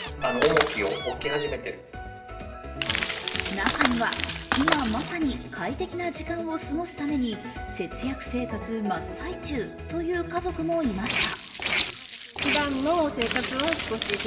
中には、今まさに快適な時間を過ごすために節約生活真っ最中という家族もいました。